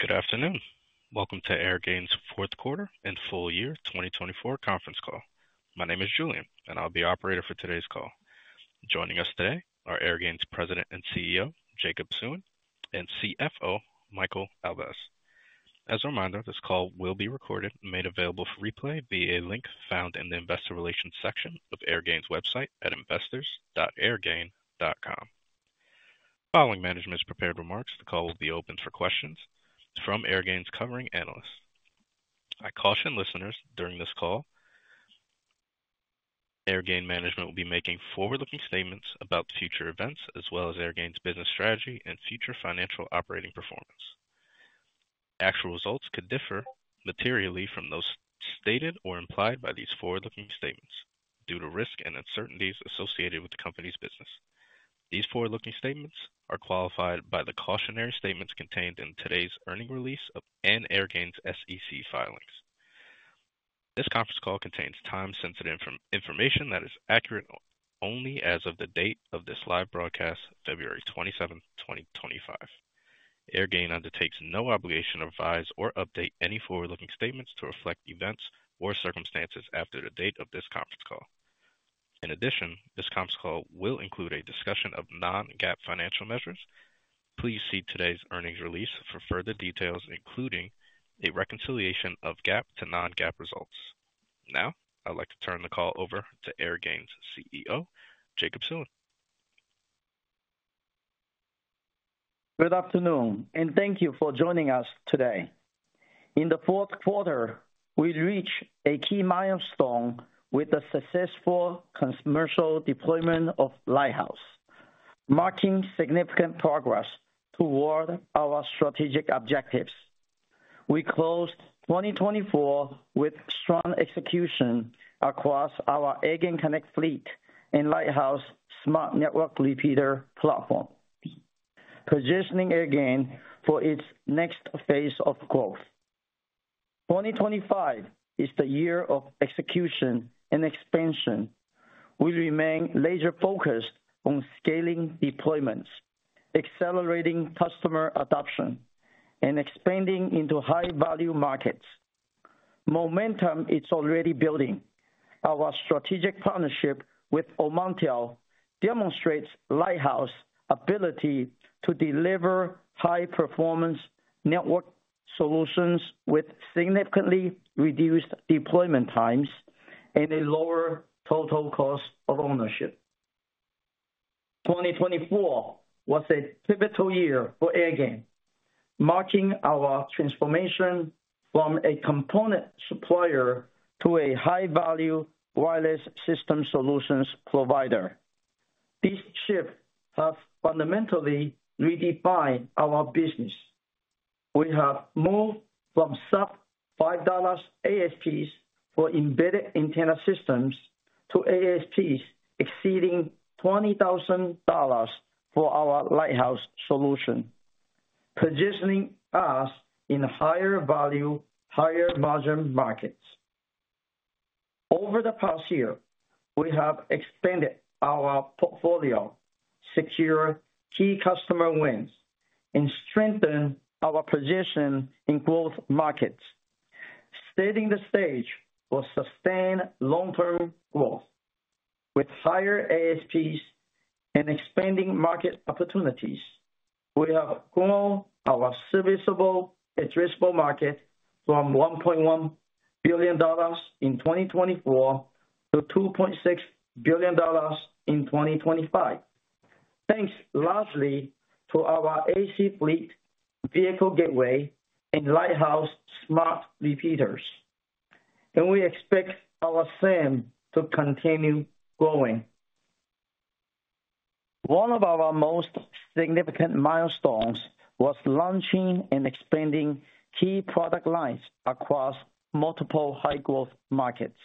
Good afternoon. Welcome to Airgain's fourth quarter and full year 2024 conference call. My name is Julian, and I'll be your operator for today's call. Joining us today are Airgain's President and CEO, Jacob Suen, and CFO, Michael Elbaz. As a reminder, this call will be recorded and made available for replay via a link found in the investor relations section of Airgain's website at investors.airgain.com. Following management's prepared remarks, the call will be open for questions from Airgain's covering analysts. I caution listeners during this call: Airgain management will be making forward-looking statements about future events as well as Airgain's business strategy and future financial operating performance. Actual results could differ materially from those stated or implied by these forward-looking statements due to risk and uncertainties associated with the company's business. These forward-looking statements are qualified by the cautionary statements contained in today's earning release and Airgain's SEC filings. This conference call contains time-sensitive information that is accurate only as of the date of this live broadcast, February 27, 2025. Airgain undertakes no obligation to revise or update any forward-looking statements to reflect events or circumstances after the date of this conference call. In addition, this conference call will include a discussion of non-GAAP financial measures. Please see today's earnings release for further details, including a reconciliation of GAAP to non-GAAP results. Now, I'd like to turn the call over to Airgain's CEO, Jacob Suen. Good afternoon, and thank you for joining us today. In the fourth quarter, we reached a key milestone with the successful commercial deployment of Lighthouse, marking significant progress toward our strategic objectives. We closed 2024 with strong execution across our Airgain Connect Fleet and Lighthouse Smart Network Repeater platform, positioning Airgain for its next phase of growth. 2025 is the year of execution and expansion. We remain laser-focused on scaling deployments, accelerating customer adoption, and expanding into high-value markets. Momentum is already building. Our strategic partnership with Omantel demonstrates Lighthouse's ability to deliver high-performance network solutions with significantly reduced deployment times and a lower total cost of ownership. 2024 was a pivotal year for Airgain, marking our transformation from a component supplier to a high-value wireless system solutions provider. This shift has fundamentally redefined our business. We have moved from sub-$5 ASPs for embedded antenna systems to ASPs exceeding $20,000 for our Lighthouse solution, positioning us in higher-value, higher-margin markets. Over the past year, we have expanded our portfolio, secured key customer wins, and strengthened our position in growth markets, setting the stage for sustained long-term growth. With higher ASPs and expanding market opportunities, we have grown our serviceable, addressable market from $1.1 billion in 2024 to $2.6 billion in 2025, thanks largely to our AC fleet, vehicle gateway, and Lighthouse Smart Repeaters. We expect our SAM to continue growing. One of our most significant milestones was launching and expanding key product lines across multiple high-growth markets,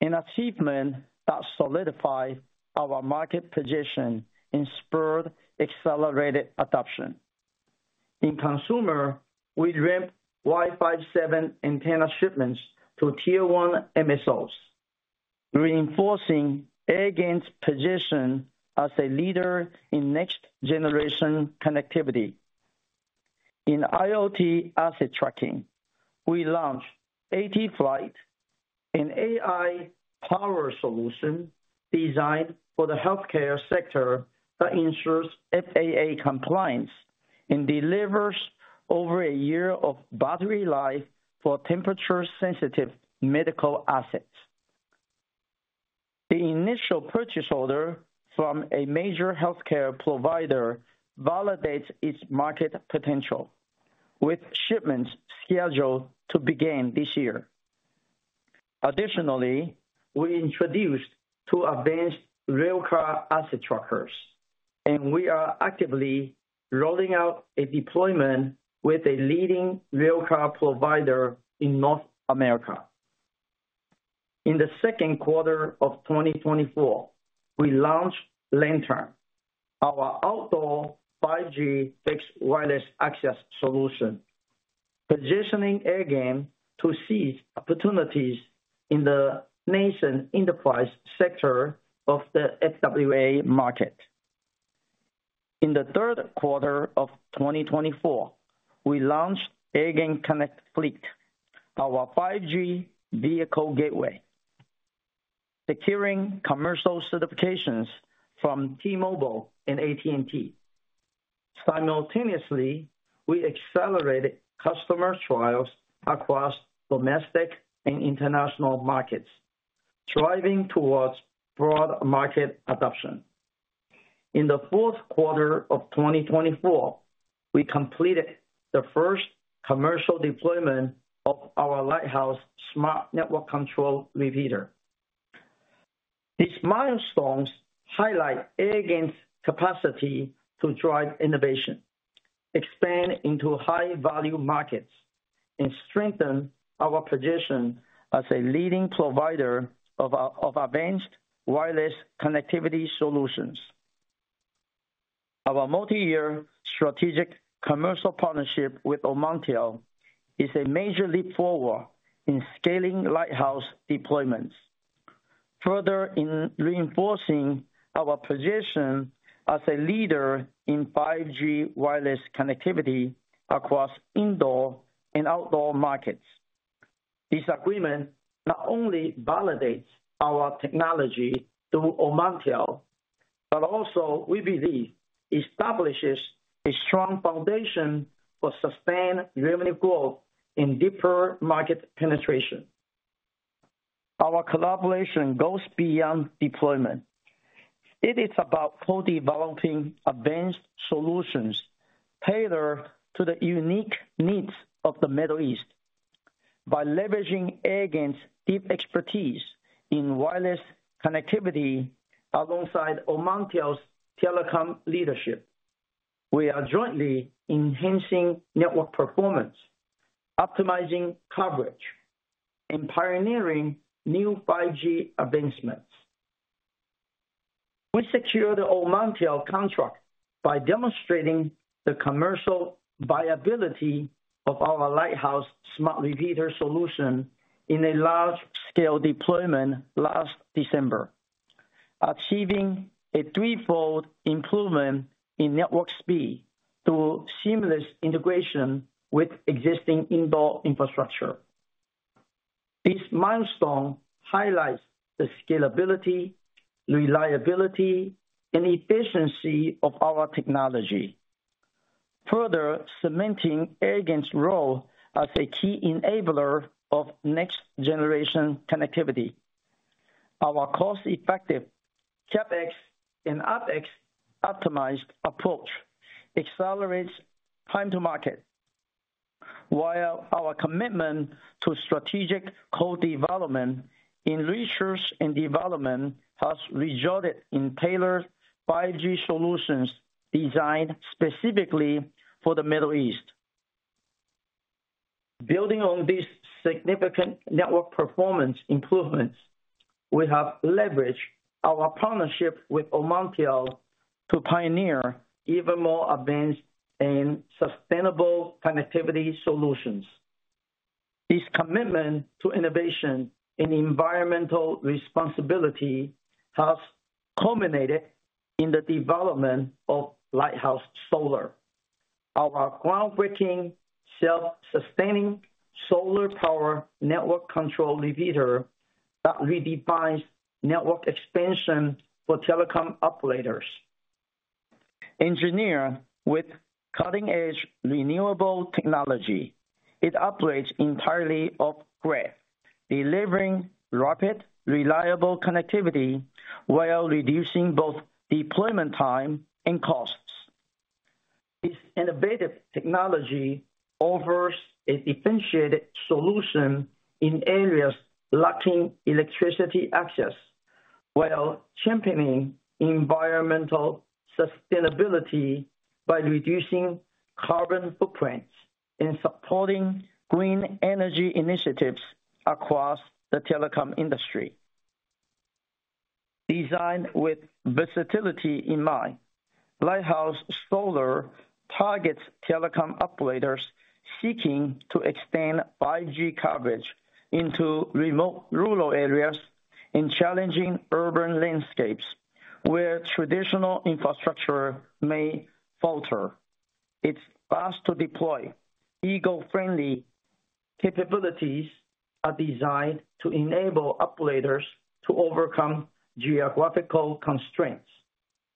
an achievement that solidified our market position and spurred accelerated adoption. In consumer, we ramped Wi-Fi 7 antenna shipments to tier-one MSOs, reinforcing Airgain's position as a leader in next-generation connectivity. In IoT asset tracking, we launched ATFlight, an AI power solution designed for the healthcare sector that ensures FAA compliance and delivers over a year of battery life for temperature-sensitive medical assets. The initial purchase order from a major healthcare provider validates its market potential, with shipments scheduled to begin this year. Additionally, we introduced two advanced rail car asset trackers, and we are actively rolling out a deployment with a leading rail car provider in North America. In the second quarter of 2024, we launched Lantern, our outdoor 5G fixed wireless access solution, positioning Airgain to seize opportunities in the nascent enterprise sector of the FWA market. In the third quarter of 2024, we launched Airgain Connect Fleet, our 5G vehicle gateway, securing commercial certifications from T-Mobile and AT&T. Simultaneously, we accelerated customer trials across domestic and international markets, driving towards broad market adoption. In the fourth quarter of 2024, we completed the first commercial deployment of our Lighthouse Smart Network Control Repeater. These milestones highlight Airgain's capacity to drive innovation, expand into high-value markets, and strengthen our position as a leading provider of advanced wireless connectivity solutions. Our multi-year strategic commercial partnership with Omantel is a major leap forward in scaling Lighthouse deployments, further reinforcing our position as a leader in 5G wireless connectivity across indoor and outdoor markets. This agreement not only validates our technology through Omantel, but also, we believe, establishes a strong foundation for sustained revenue growth and deeper market penetration. Our collaboration goes beyond deployment. It is about co-developing advanced solutions tailored to the unique needs of the Middle East. By leveraging Airgain's deep expertise in wireless connectivity alongside Omantel's telecom leadership, we are jointly enhancing network performance, optimizing coverage, and pioneering new 5G advancements. We secured the Omantel contract by demonstrating the commercial viability of our Lighthouse Smart Repeater solution in a large-scale deployment last December, achieving a threefold improvement in network speed through seamless integration with existing indoor infrastructure. This milestone highlights the scalability, reliability, and efficiency of our technology, further cementing Airgain's role as a key enabler of next-generation connectivity. Our cost-effective CapEx and OpEx-optimized approach accelerates time-to-market, while our commitment to strategic co-development in research and development has resulted in tailored 5G solutions designed specifically for the Middle East. Building on these significant network performance improvements, we have leveraged our partnership with Omantel to pioneer even more advanced and sustainable connectivity solutions. This commitment to innovation and environmental responsibility has culminated in the development of Lighthouse Solar, our groundbreaking self-sustaining solar-powered network control repeater that redefines network expansion for telecom operators. Engineered with cutting-edge renewable technology, it operates entirely off-grid, delivering rapid, reliable connectivity while reducing both deployment time and costs. This innovative technology offers a differentiated solution in areas lacking electricity access while championing environmental sustainability by reducing carbon footprints and supporting green energy initiatives across the telecom industry. Designed with versatility in mind, Lighthouse Solar targets telecom operators seeking to extend 5G coverage into remote rural areas and challenging urban landscapes where traditional infrastructure may falter. It's fast to deploy. Eco-friendly capabilities are designed to enable operators to overcome geographical constraints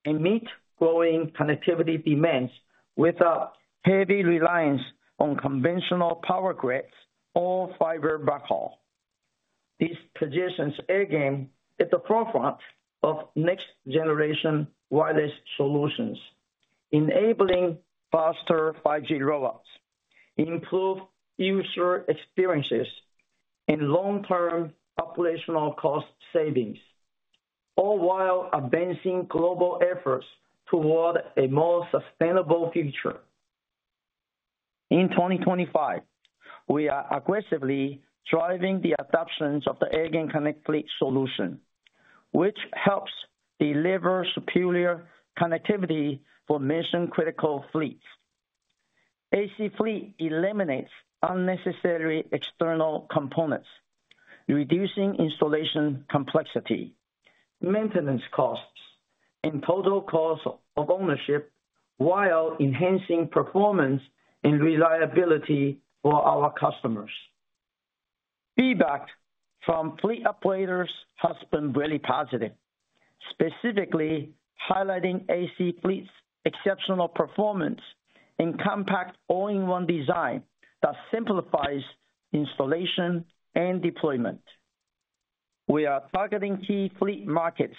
and meet growing connectivity demands without heavy reliance on conventional power grids or fiber backhaul. This positions Airgain at the forefront of next-generation wireless solutions, enabling faster 5G rollouts, improved user experiences, and long-term operational cost savings, all while advancing global efforts toward a more sustainable future. In 2025, we are aggressively driving the adoption of the Airgain Connect Fleet solution, which helps deliver superior connectivity for mission-critical fleets. AC Fleet eliminates unnecessary external components, reducing installation complexity, maintenance costs, and total cost of ownership while enhancing performance and reliability for our customers. Feedback from fleet operators has been very positive, specifically highlighting AC Fleet's exceptional performance and compact all-in-one design that simplifies installation and deployment. We are targeting key fleet markets,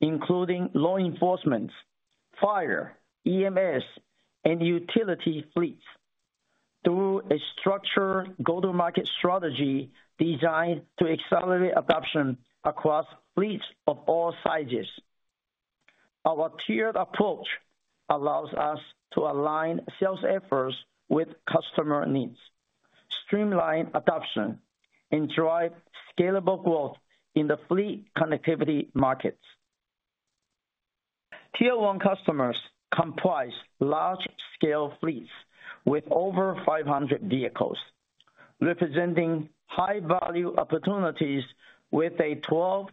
including law enforcement, fire, EMS, and utility fleets, through a structured go-to-market strategy designed to accelerate adoption across fleets of all sizes. Our tiered approach allows us to align sales efforts with customer needs, streamline adoption, and drive scalable growth in the fleet connectivity markets. Tier-one customers comprise large-scale fleets with over 500 vehicles, representing high-value opportunities with a 12-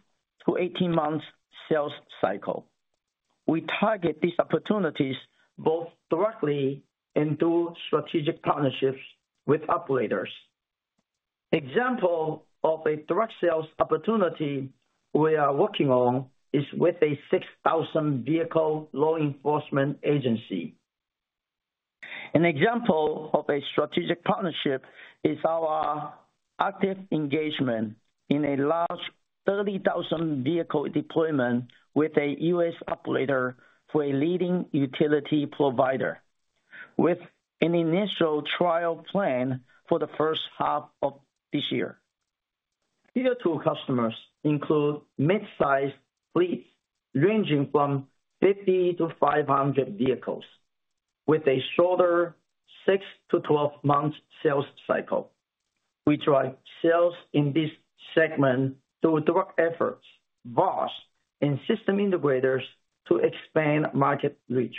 to 18-month sales cycle. We target these opportunities both directly and through strategic partnerships with operators. An example of a direct sales opportunity we are working on is with a 6,000-vehicle law enforcement agency. An example of a strategic partnership is our active engagement in a large 30,000-vehicle deployment with a U.S. operator for a leading utility provider, with an initial trial planned for the first half of this year. Tier-2 customers include mid-sized fleets ranging from 50-500 vehicles, with a shorter 6-12 month sales cycle. We drive sales in this segment through direct efforts, vast and system integrators to expand market reach.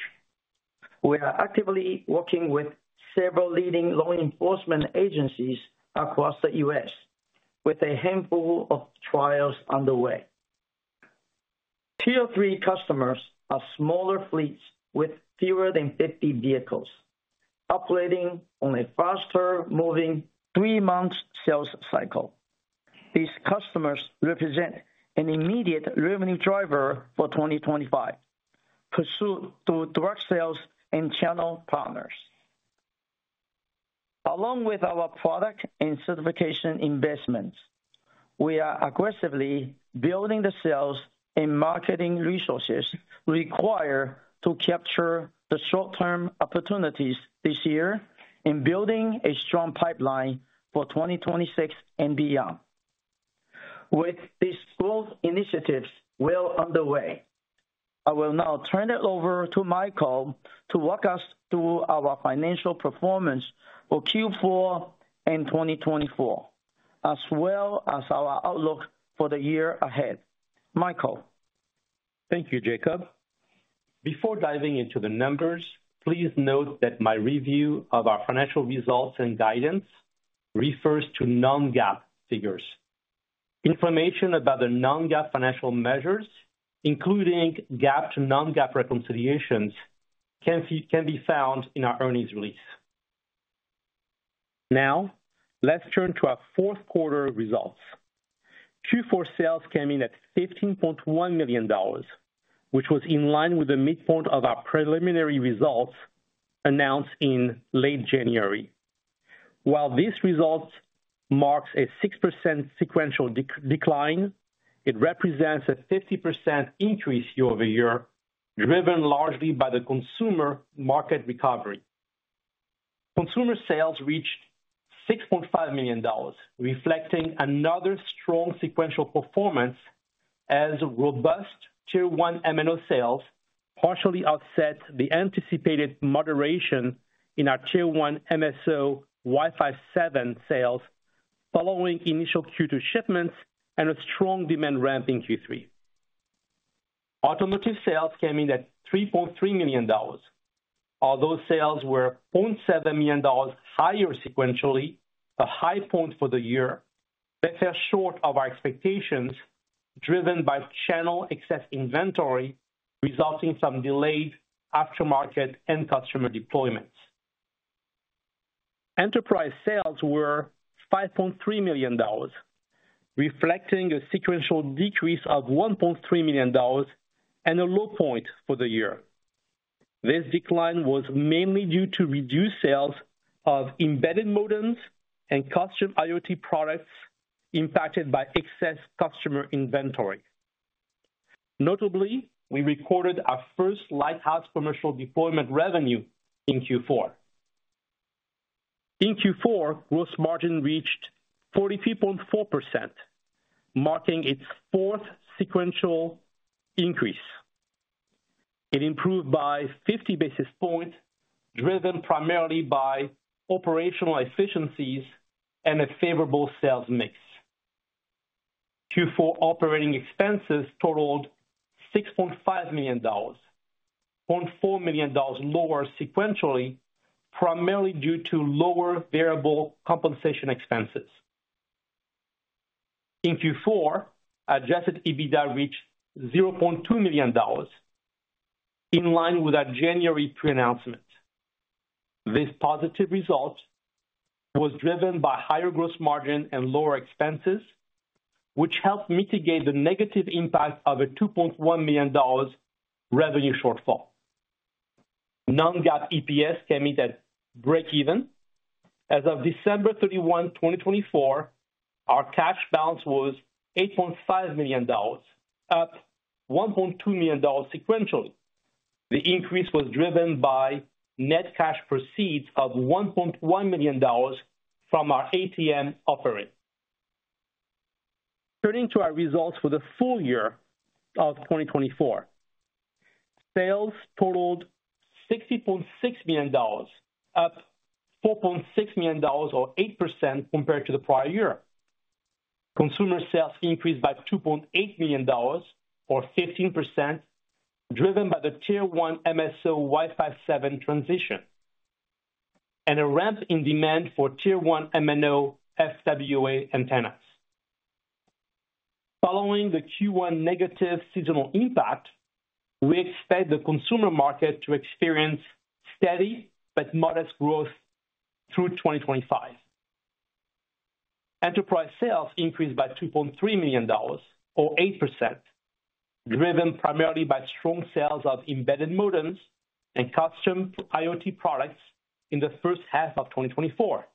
We are actively working with several leading law enforcement agencies across the U.S., with a handful of trials underway. Tier-3 customers are smaller fleets with fewer than 50 vehicles, operating on a faster-moving three-month sales cycle. These customers represent an immediate revenue driver for 2025, pursued through direct sales and channel partners. Along with our product and certification investments, we are aggressively building the sales and marketing resources required to capture the short-term opportunities this year and building a strong pipeline for 2026 and beyond. With these growth initiatives well underway, I will now turn it over to Michael to walk us through our financial performance for Q4 and 2024, as well as our outlook for the year ahead. Michael. Thank you, Jacob. Before diving into the numbers, please note that my review of our financial results and guidance refers to non-GAAP figures. Information about the non-GAAP financial measures, including GAAP to non-GAAP reconciliations, can be found in our earnings release. Now, let's turn to our fourth quarter results. Q4 sales came in at $15.1 million, which was in line with the midpoint of our preliminary results announced in late January. While these results mark a 6% sequential decline, it represents a 50% increase year over year, driven largely by the consumer market recovery. Consumer sales reached $6.5 million, reflecting another strong sequential performance as robust Tier-1 M&O sales partially offset the anticipated moderation in our Tier-1 MSO Y57 sales following initial Q2 shipments and a strong demand ramp in Q3. Automotive sales came in at $3.3 million. Although sales were $0.7 million higher sequentially, a high point for the year, they fell short of our expectations, driven by channel excess inventory resulting from delayed aftermarket and customer deployments. Enterprise sales were $5.3 million, reflecting a sequential decrease of $1.3 million and a low point for the year. This decline was mainly due to reduced sales of embedded modems and custom IoT products impacted by excess customer inventory. Notably, we recorded our first Lighthouse commercial deployment revenue in Q4. In Q4, gross margin reached 43.4%, marking its fourth sequential increase. It improved by 50 basis points, driven primarily by operational efficiencies and a favorable sales mix. Q4 operating expenses totaled $6.5 million, $0.4 million lower sequentially, primarily due to lower variable compensation expenses. In Q4, adjusted EBITDA reached $0.2 million, in line with our January pre-announcement. This positive result was driven by higher gross margin and lower expenses, which helped mitigate the negative impact of a $2.1 million revenue shortfall. Non-GAAP EPS came in at break-even. As of December 31, 2024, our cash balance was $8.5 million, up $1.2 million sequentially. The increase was driven by net cash proceeds of $1.1 million from our ATM operating. Turning to our results for the full year of 2024, sales totaled $60.6 million, up $4.6 million, or 8% compared to the prior year. Consumer sales increased by $2.8 million, or 15%, driven by the Tier-1 MSO Y57 transition and a ramp in demand for Tier-1 M&O FWA antennas. Following the Q1 negative seasonal impact, we expect the consumer market to experience steady but modest growth through 2025. Enterprise sales increased by $2.3 million, or 8%, driven primarily by strong sales of embedded modems and custom IoT products in the first half of 2024.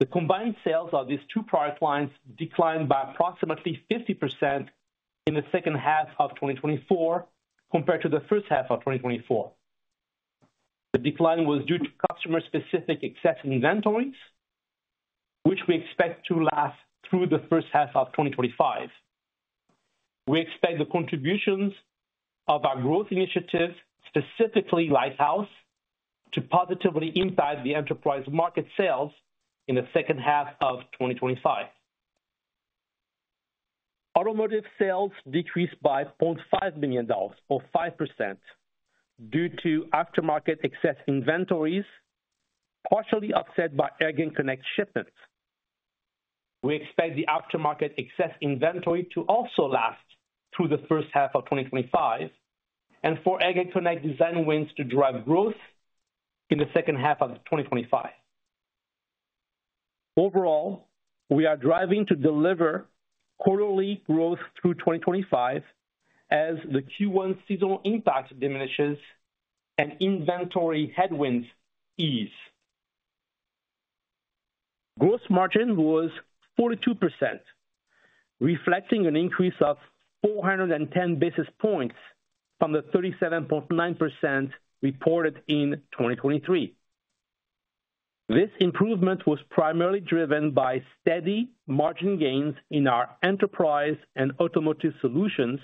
The combined sales of these two product lines declined by approximately 50% in the second half of 2024 compared to the first half of 2024. The decline was due to customer-specific excess inventories, which we expect to last through the first half of 2025. We expect the contributions of our growth initiative, specifically Lighthouse, to positively impact the enterprise market sales in the second half of 2025. Automotive sales decreased by $0.5 million, or 5%, due to aftermarket excess inventories partially offset by Airgain Connect shipments. We expect the aftermarket excess inventory to also last through the first half of 2025 and for Airgain Connect design wins to drive growth in the second half of 2025. Overall, we are driving to deliver quarterly growth through 2025 as the Q1 seasonal impact diminishes and inventory headwinds ease. Gross margin was 42%, reflecting an increase of 410 basis points from the 37.9% reported in 2023. This improvement was primarily driven by steady margin gains in our enterprise and automotive solutions,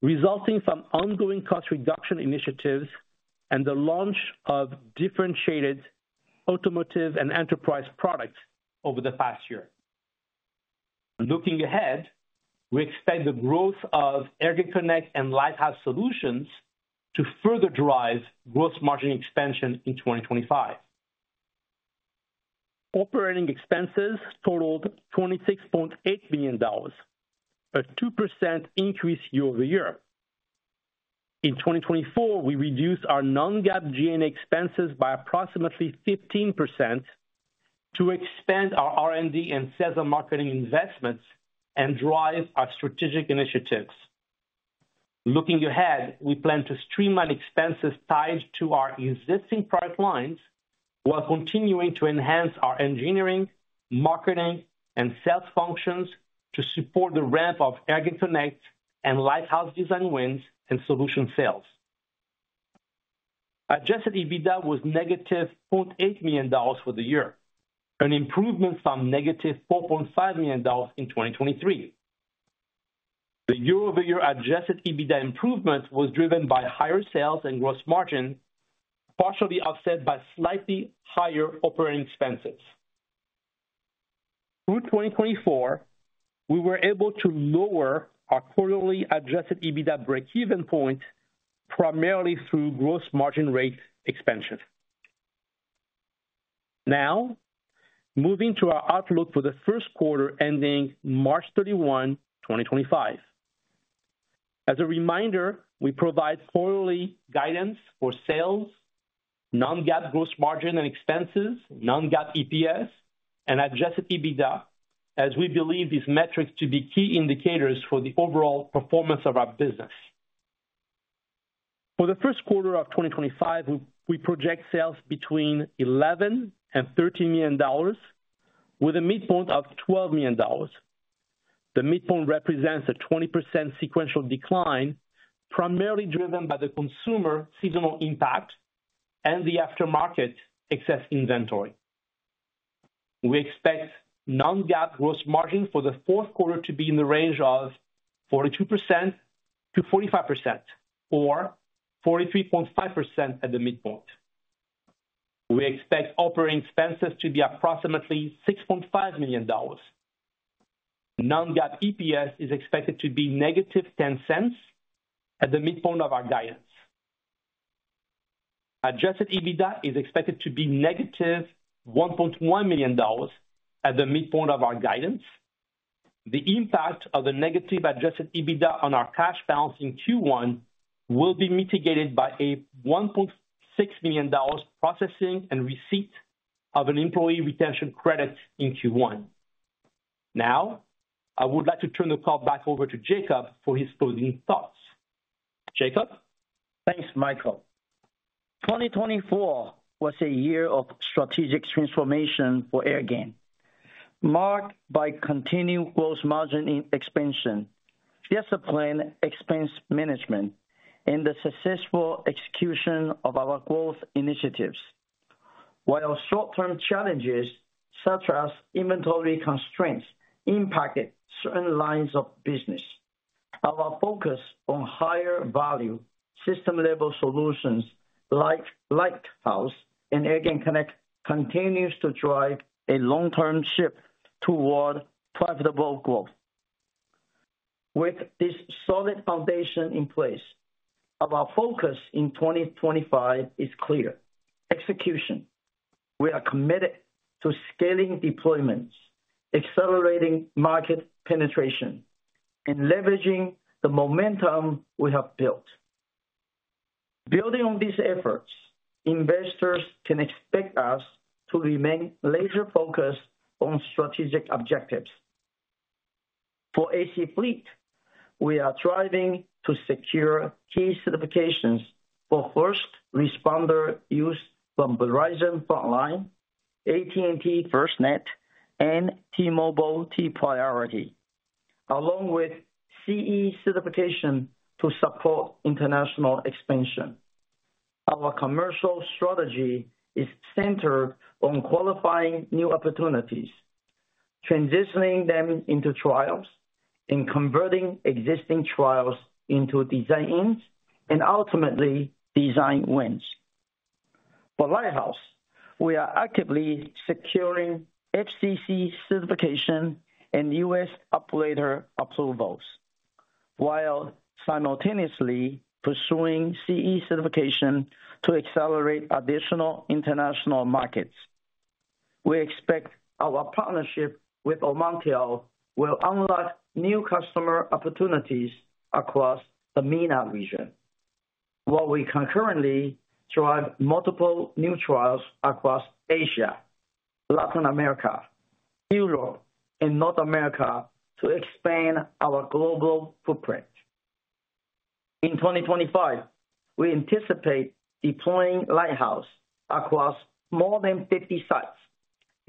resulting from ongoing cost reduction initiatives and the launch of differentiated automotive and enterprise products over the past year. Looking ahead, we expect the growth of Airgain Connect and Lighthouse solutions to further drive gross margin expansion in 2025. Operating expenses totaled $26.8 million, a 2% increase year over year. In 2024, we reduced our non-GAAP G&A expenses by approximately 15% to expand our R&D and sales and marketing investments and drive our strategic initiatives. Looking ahead, we plan to streamline expenses tied to our existing product lines while continuing to enhance our engineering, marketing, and sales functions to support the ramp of Airgain Connect and Lighthouse design wins and solution sales. Adjusted EBITDA was negative $0.8 million for the year, an improvement from negative $4.5 million in 2023. The year-over-year adjusted EBITDA improvement was driven by higher sales and gross margin, partially offset by slightly higher operating expenses. Through 2024, we were able to lower our quarterly adjusted EBITDA break-even point primarily through gross margin rate expansion. Now, moving to our outlook for the first quarter ending March 31, 2025. As a reminder, we provide quarterly guidance for sales, non-GAAP gross margin and expenses, non-GAAP EPS, and adjusted EBITDA, as we believe these metrics to be key indicators for the overall performance of our business. For the first quarter of 2025, we project sales between $11 million and $13 million, with a midpoint of $12 million. The midpoint represents a 20% sequential decline, primarily driven by the consumer seasonal impact and the aftermarket excess inventory. We expect non-GAAP gross margin for the fourth quarter to be in the range of 42%-45%, or 43.5% at the midpoint. We expect operating expenses to be approximately $6.5 million. Non-GAAP EPS is expected to be negative $0.10 at the midpoint of our guidance. Adjusted EBITDA is expected to be negative $1.1 million at the midpoint of our guidance. The impact of the negative adjusted EBITDA on our cash balance in Q1 will be mitigated by a $1.6 million processing and receipt of an employee retention credit in Q1. Now, I would like to turn the call back over to Jacob for his closing thoughts. Jacob. Thanks, Michael. 2024 was a year of strategic transformation for Airgain, marked by continued gross margin expansion, disciplined expense management, and the successful execution of our growth initiatives. While short-term challenges, such as inventory constraints, impacted certain lines of business, our focus on higher-value, system-level solutions like Lighthouse and Airgain Connect continues to drive a long-term shift toward profitable growth. With this solid foundation in place, our focus in 2025 is clear: execution. We are committed to scaling deployments, accelerating market penetration, and leveraging the momentum we have built. Building on these efforts, investors can expect us to remain laser-focused on strategic objectives. For AC Fleet, we are driving to secure key certifications for first responder use from Verizon Frontline, AT&T FirstNet, and T-Mobile T-Priority, along with CE certification to support international expansion. Our commercial strategy is centered on qualifying new opportunities, transitioning them into trials, and converting existing trials into design aims and ultimately design wins. For Lighthouse, we are actively securing FCC certification and U.S. operator approvals, while simultaneously pursuing CE certification to accelerate additional international markets. We expect our partnership with Omantel will unlock new customer opportunities across the MENA region, while we concurrently drive multiple new trials across Asia, Latin America, Europe, and North America to expand our global footprint. In 2025, we anticipate deploying Lighthouse across more than 50 sites,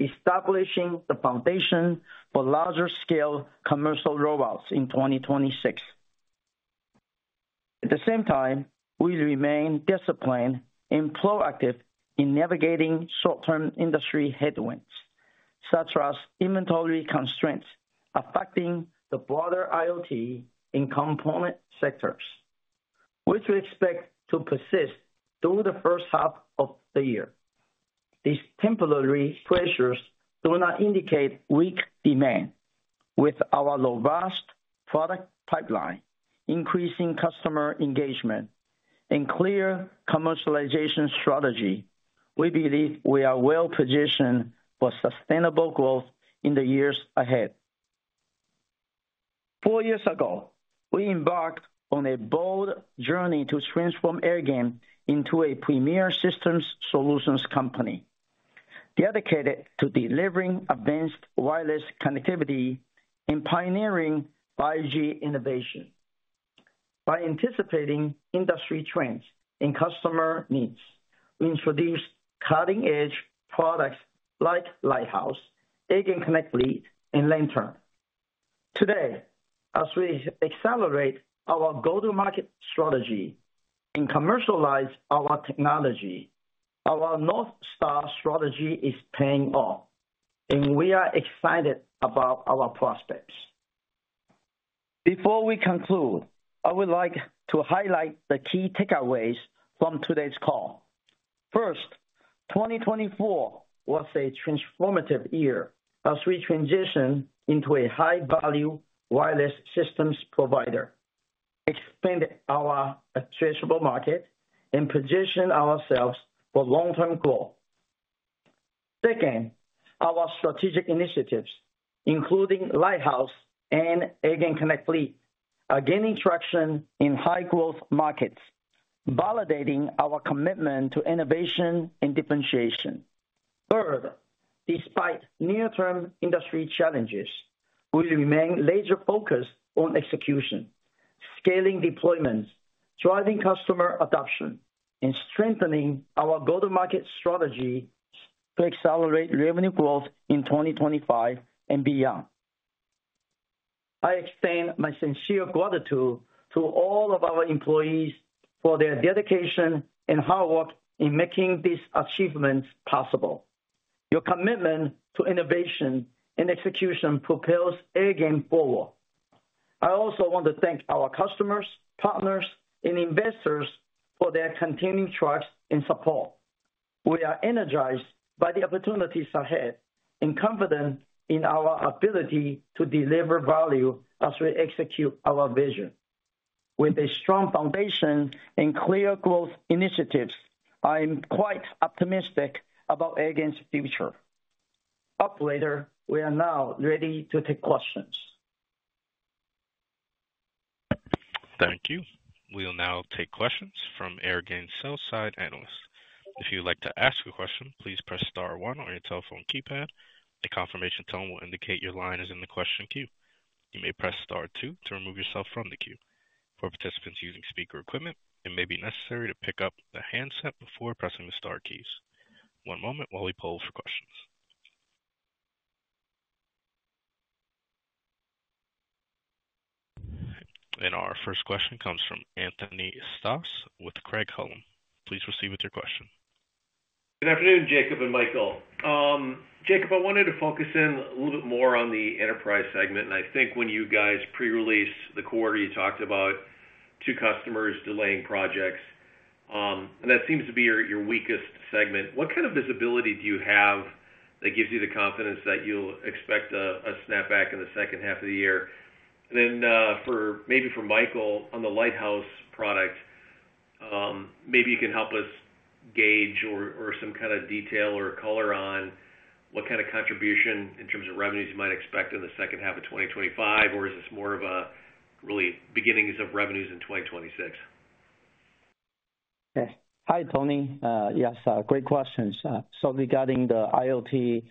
establishing the foundation for larger-scale commercial rollouts in 2026. At the same time, we remain disciplined and proactive in navigating short-term industry headwinds, such as inventory constraints affecting the broader IoT and component sectors, which we expect to persist through the first half of the year. These temporary pressures do not indicate weak demand. With our robust product pipeline, increasing customer engagement, and clear commercialization strategy, we believe we are well-positioned for sustainable growth in the years ahead. Four years ago, we embarked on a bold journey to transform Airgain into a premier systems solutions company, dedicated to delivering advanced wireless connectivity and pioneering 5G innovation. By anticipating industry trends and customer needs, we introduced cutting-edge products like Lighthouse, Airgain Connect Fleet, and Lantern. Today, as we accelerate our go-to-market strategy and commercialize our technology, our North Star strategy is paying off, and we are excited about our prospects. Before we conclude, I would like to highlight the key takeaways from today's call. First, 2024 was a transformative year as we transitioned into a high-value wireless systems provider, expanded our addressable market, and positioned ourselves for long-term growth. Second, our strategic initiatives, including Lighthouse and Airgain Connect Fleet, are gaining traction in high-growth markets, validating our commitment to innovation and differentiation. Third, despite near-term industry challenges, we remain laser-focused on execution, scaling deployments, driving customer adoption, and strengthening our go-to-market strategy to accelerate revenue growth in 2025 and beyond. I extend my sincere gratitude to all of our employees for their dedication and hard work in making these achievements possible. Your commitment to innovation and execution propels Airgain forward. I also want to thank our customers, partners, and investors for their continued trust and support. We are energized by the opportunities ahead and confident in our ability to deliver value as we execute our vision. With a strong foundation and clear growth initiatives, I am quite optimistic about Airgain's future. Operator, we are now ready to take questions. Thank you. We will now take questions from Airgain's sell side analysts. If you'd like to ask a question, please press Star one on your telephone keypad. A confirmation tone will indicate your line is in the question queue. You may press Star two to remove yourself from the queue. For participants using speaker equipment, it may be necessary to pick up the handset before pressing the Star keys. One moment while we poll for questions. Our first question comes from Anthony Stoss with Craig-Hallum. Please proceed with your question. Good afternoon, Jacob and Michael. Jacob, I wanted to focus in a little bit more on the enterprise segment. I think when you guys pre-released the quarter, you talked about two customers delaying projects. That seems to be your weakest segment. What kind of visibility do you have that gives you the confidence that you'll expect a snapback in the second half of the year? Maybe for Michael on the Lighthouse product, maybe you can help us gauge or some kind of detail or color on what kind of contribution in terms of revenues you might expect in the second half of 2025, or is this more of a really beginnings of revenues in 2026? Okay. Hi, Tony. Yes, great questions. Regarding the IoT,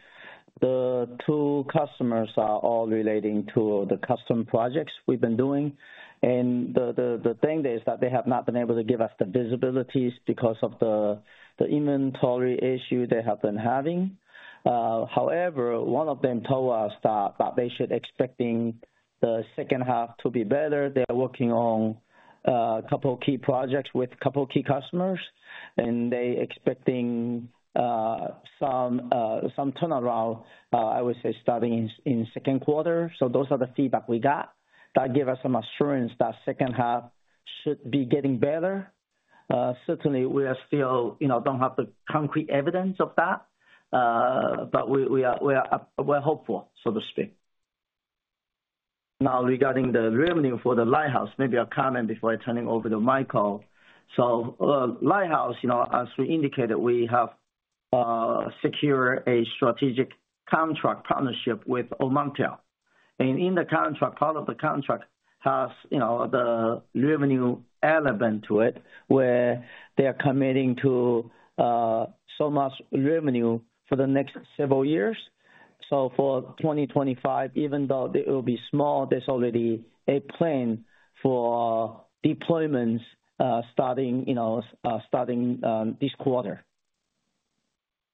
the two customers are all relating to the custom projects we've been doing. The thing is that they have not been able to give us the visibilities because of the inventory issue they have been having. However, one of them told us that they should be expecting the second half to be better. They are working on a couple of key projects with a couple of key customers, and they are expecting some turnaround, I would say, starting in second quarter. Those are the feedback we got that give us some assurance that second half should be getting better. Certainly, we still do not have the concrete evidence of that, but we are hopeful, so to speak. Now, regarding the revenue for the Lighthouse, maybe a comment before turning over to Michael. Lighthouse, as we indicated, we have secured a strategic contract partnership with Omantel. In the contract, part of the contract has the revenue element to it, where they are committing to so much revenue for the next several years. For 2025, even though it will be small, there is already a plan for deployments starting this quarter.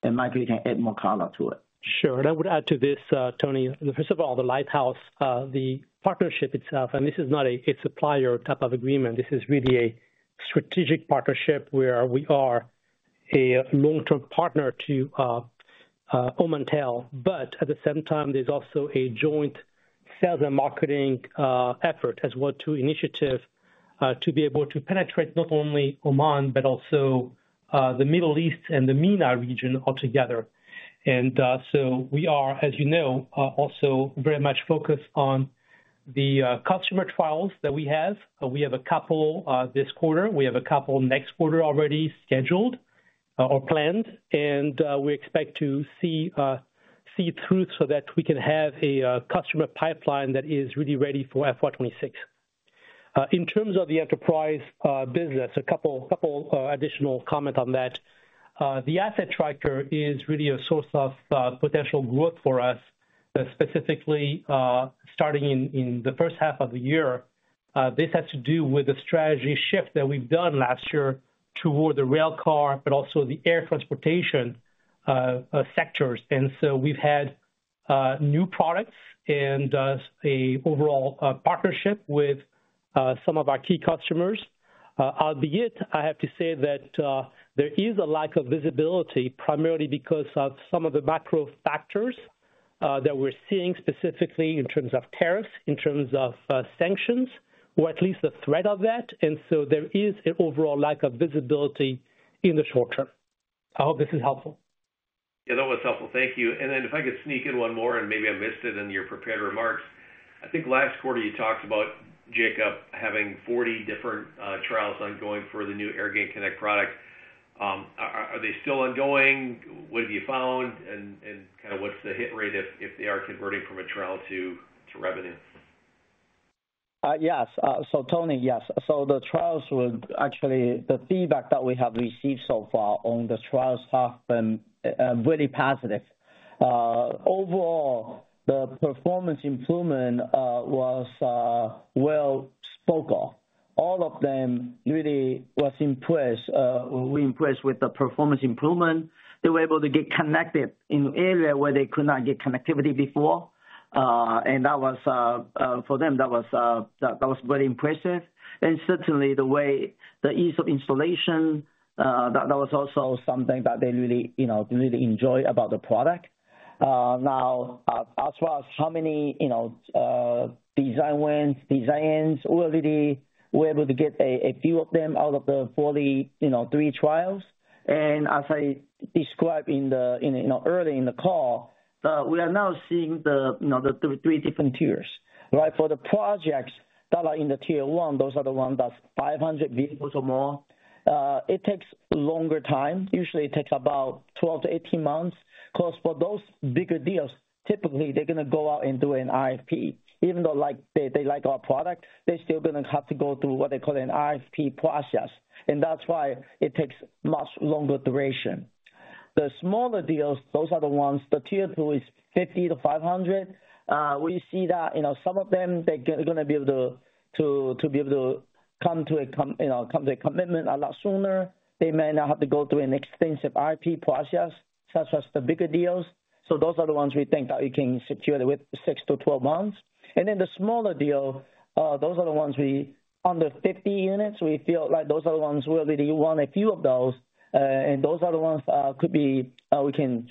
Michael, you can add more color to it. Sure. I would add to this, Tony. First of all, the Lighthouse, the partnership itself, and this is not a supplier type of agreement. This is really a strategic partnership where we are a long-term partner to Omantel. At the same time, there is also a joint sales and marketing effort as well to initiative to be able to penetrate not only Oman, but also the Middle East and the MENA region altogether. We are, as you know, also very much focused on the customer trials that we have. We have a couple this quarter. We have a couple next quarter already scheduled or planned. We expect to see through so that we can have a customer pipeline that is really ready for FY 2026. In terms of the enterprise business, a couple additional comments on that. The asset tracker is really a source of potential growth for us, specifically starting in the first half of the year. This has to do with the strategy shift that we've done last year toward the rail car, but also the air transportation sectors. We have had new products and an overall partnership with some of our key customers. Albeit, I have to say that there is a lack of visibility, primarily because of some of the macro factors that we're seeing, specifically in terms of tariffs, in terms of sanctions, or at least the threat of that. There is an overall lack of visibility in the short term. I hope this is helpful. Yeah, that was helpful. Thank you. If I could sneak in one more, and maybe I missed it in your prepared remarks. I think last quarter you talked about Jacob having 40 different trials ongoing for the new Airgain Connect product. Are they still ongoing? What have you found? What is the hit rate if they are converting from a trial to revenue? Yes. Tony, yes. The trials were actually, the feedback that we have received so far on the trial stuff has been really positive. Overall, the performance improvement was well-spoken. All of them really were impressed with the performance improvement. They were able to get connected in areas where they could not get connectivity before. For them, that was very impressive. Certainly, the way the ease of installation, that was also something that they really enjoyed about the product. Now, as far as how many design wins, design ends, we were able to get a few of them out of the 43 trials. As I described early in the call, we are now seeing the three different tiers. For the projects that are in the tier one, those are the ones that are 500 vehicles or more. It takes longer time. Usually, it takes about 12-18 months. Of course, for those bigger deals, typically, they're going to go out and do an IFP. Even though they like our product, they're still going to have to go through what they call an IFP process. That is why it takes much longer duration. The smaller deals, those are the ones, the tier two is 50-500. We see that some of them, they're going to be able to come to a commitment a lot sooner. They may not have to go through an extensive IFP process, such as the bigger deals. Those are the ones we think that we can secure within 6-12 months. The smaller deal, those are the ones under 50 units. We feel like those are the ones we really want, a few of those. Those are the ones we can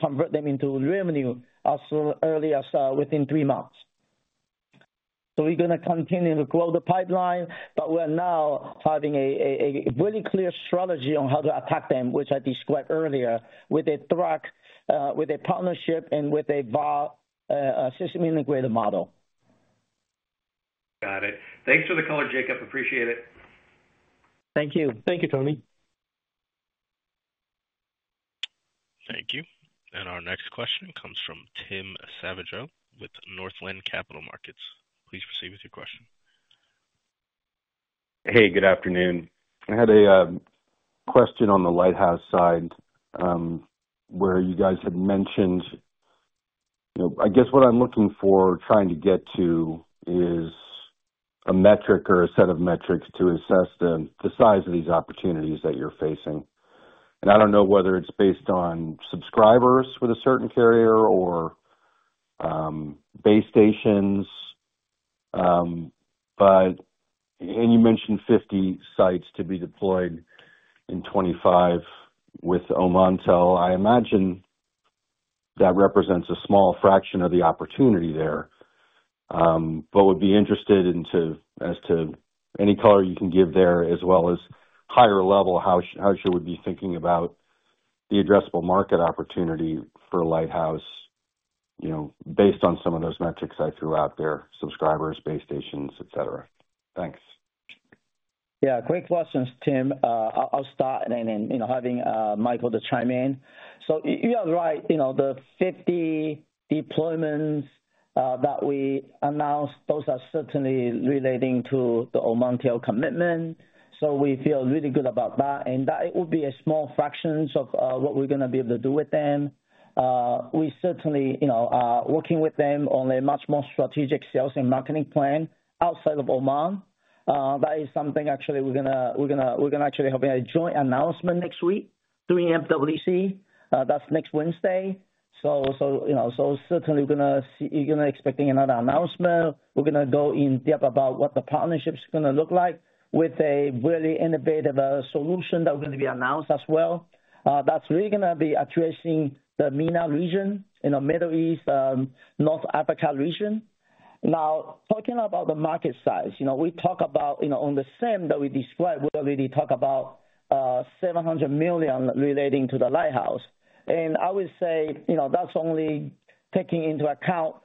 convert them into revenue as early as within three months. We are going to continue to grow the pipeline, but we are now having a really clear strategy on how to attack them, which I described earlier, with a threat, with a partnership, and with a system integrated model. Got it. Thanks for the color, Jacob. Appreciate it. Thank you. Thank you, Tony. Thank you. Our next question comes from Tim Savageaux with Northland Capital Markets. Please proceed with your question. Hey, good afternoon. I had a question on the Lighthouse side where you guys had mentioned. I guess what I'm looking for, trying to get to, is a metric or a set of metrics to assess the size of these opportunities that you're facing. I don't know whether it's based on subscribers with a certain carrier or base stations. You mentioned 50 sites to be deployed and 25 with Omantel. I imagine that represents a small fraction of the opportunity there. Would be interested in, as to any color you can give there, as well as higher level, how you would be thinking about the addressable market opportunity for Lighthouse based on some of those metrics I threw out there: subscribers, base stations, etc. Thanks. Yeah, great questions, Tim. I'll start and then have Michael chime in. You are right. The 50 deployments that we announced, those are certainly relating to the Omantel commitment. We feel really good about that. That would be a small fraction of what we're going to be able to do with them. We certainly are working with them on a much more strategic sales and marketing plan outside of Oman. That is something, actually, we're going to actually have a joint announcement next week through EMWC. That's next Wednesday. We are going to be expecting another announcement. We're going to go in depth about what the partnership's going to look like with a really innovative solution that we're going to be announced as well. That's really going to be addressing the MENA region, Middle East, North Africa region. Now, talking about the market size, we talk about on the SAM that we described, we already talked about $700 million relating to the Lighthouse. I would say that's only taking into account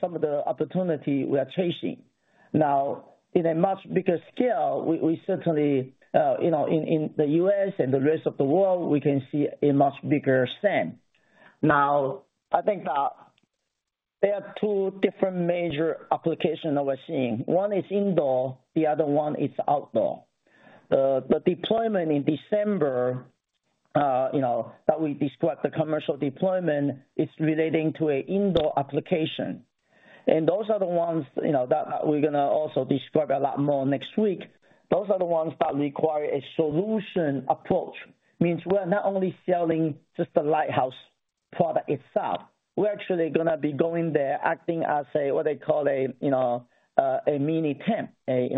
some of the opportunity we are chasing. In a much bigger scale, we certainly, in the U.S. and the rest of the world, we can see a much bigger SAM. I think that there are two different major applications that we're seeing. One is indoor, the other one is outdoor. The deployment in December that we described, the commercial deployment, is relating to an indoor application. Those are the ones that we're going to also describe a lot more next week. Those are the ones that require a solution approach. Means we're not only selling just the Lighthouse product itself. We're actually going to be going there, acting as what they call a mini tent, a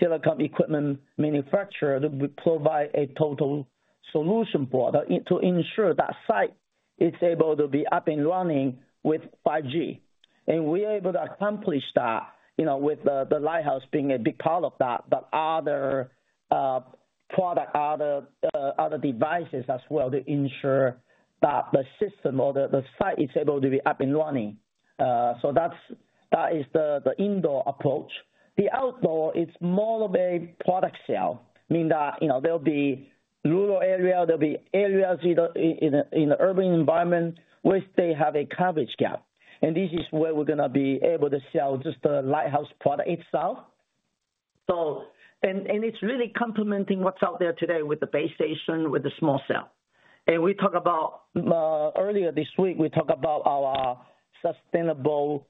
telecom equipment manufacturer that will provide a total solution for that to ensure that site is able to be up and running with 5G. We're able to accomplish that with the Lighthouse being a big part of that, but other products, other devices as well to ensure that the system or the site is able to be up and running. That is the indoor approach. The outdoor, it's more of a product sale. Mean that there'll be rural areas, there'll be areas in the urban environment where they have a coverage gap. This is where we're going to be able to sell just the Lighthouse product itself. It's really complementing what's out there today with the base station, with the small cell. We talk about earlier this week, we talk about our sustainable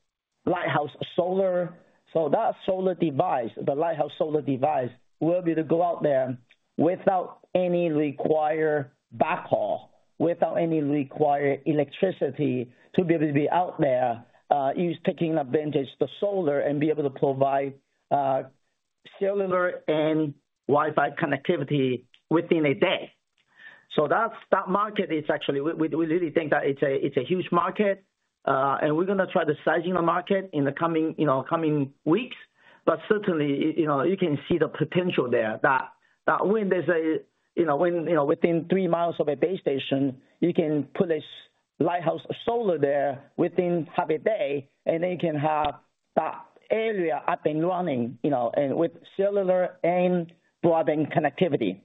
Lighthouse Solar. That solar device, the Lighthouse Solar device, will be able to go out there without any required backhaul, without any required electricity to be able to be out there, taking advantage of the solar and be able to provide cellular and Wi-Fi connectivity within a day. That market is actually, we really think that it's a huge market. We're going to try to sizing the market in the coming weeks. Certainly, you can see the potential there that when there's a, when within 3 mi of a base station, you can put this Lighthouse Solar there within half a day, and then you can have that area up and running with cellular and broadband connectivity.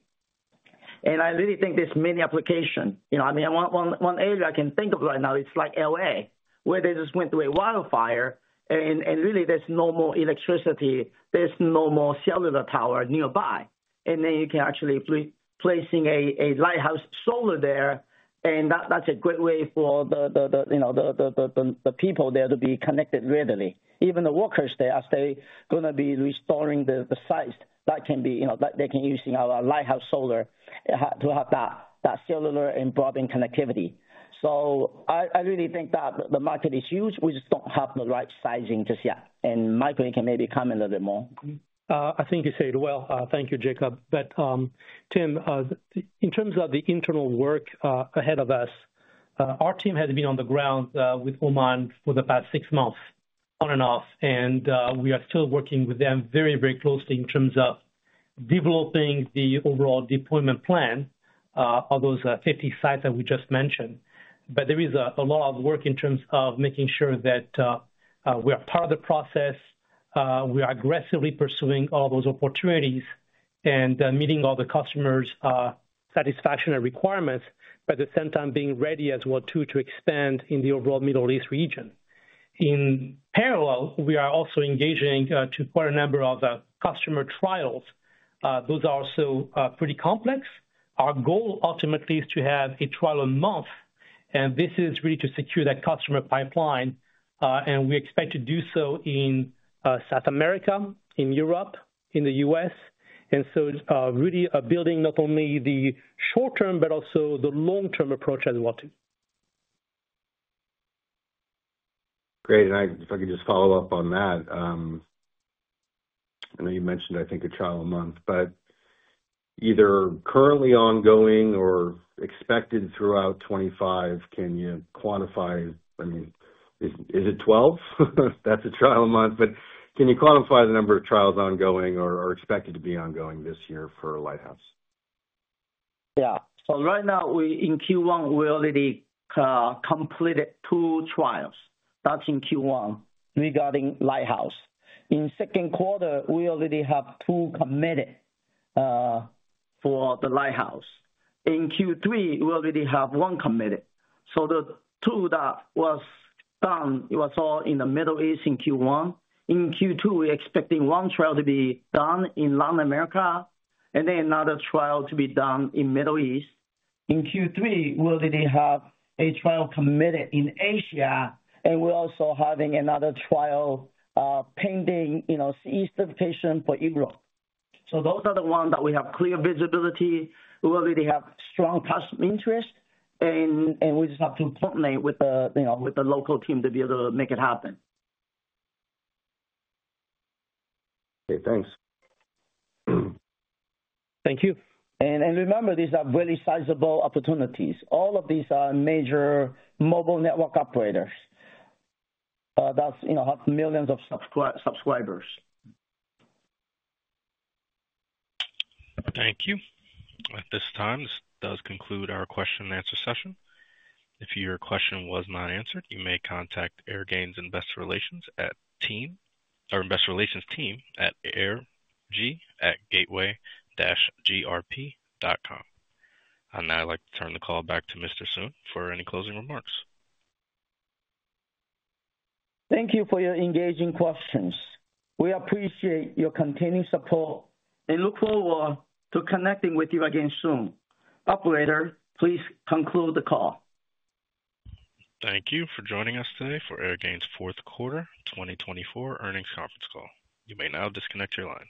I really think there's many applications. I mean, one area I can think of right now, it's like LA, where they just went through a wildfire, and really there's no more electricity. There's no more cellular tower nearby. You can actually be placing a Lighthouse Solar there. That's a great way for the people there to be connected readily. Even the workers there, as they're going to be restoring the sites, they can use our Lighthouse Solar to have that cellular and broadband connectivity. I really think that the market is huge. We just don't have the right sizing just yet. Michael, you can maybe comment a little bit more. I think you said it well. Thank you, Jacob. Tim, in terms of the internal work ahead of us, our team has been on the ground with Oman for the past six months, on and off. We are still working with them very, very closely in terms of developing the overall deployment plan of those 50 sites that we just mentioned. There is a lot of work in terms of making sure that we are part of the process. We are aggressively pursuing all those opportunities and meeting all the customers' satisfaction and requirements, at the same time being ready as well to expand in the overall Middle East region. In parallel, we are also engaging to quite a number of customer trials. Those are also pretty complex. Our goal ultimately is to have a trial a month. This is really to secure that customer pipeline. We expect to do so in South America, in Europe, in the U.S. Really building not only the short term, but also the long term approach as well too. Great. If I could just follow up on that. I know you mentioned, I think, a trial a month, but either currently ongoing or expected throughout 2025, can you quantify? I mean, is it 12? That's a trial a month. Can you quantify the number of trials ongoing or expected to be ongoing this year for Lighthouse? Yeah. Right now, in Q1, we already completed two trials. That's in Q1 regarding Lighthouse. In the second quarter, we already have two committed for the Lighthouse. In Q3, we already have one committed. The two that were done were all in the Middle East in Q1. In Q2, we're expecting one trial to be done in Latin America, and another trial to be done in the Middle East. In Q3, we already have a trial committed in Asia, and we're also having another trial pending East application for Europe. Those are the ones that we have clear visibility. We already have strong customer interest, and we just have to coordinate with the local team to be able to make it happen. Okay. Thanks. Thank you. Remember, these are really sizable opportunities. All of these are major mobile network operators that have millions of subscribers. Thank you. At this time, this does conclude our question and answer session. If your question was not answered, you may contact Airgain's Investor Relations team or Investor Relations team at airg@gateway-grp.com. I'd like to turn the call back to Mr. Suen for any closing remarks. Thank you for your engaging questions. We appreciate your continued support and look forward to connecting with you again soon. Operator, please conclude the call. Thank you for joining us today for Airgain's fourth quarter 2024 earnings conference call. You may now disconnect your lines.